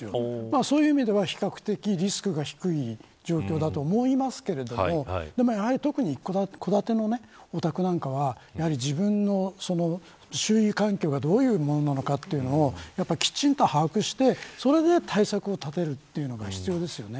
そういう意味では、比較的リスクが低い状況だと思いますけれども特に一戸建てのお宅なんかは自分の周囲環境がどういうものなのかというのをきちんと把握してそれで対策を立てることが必要ですよね。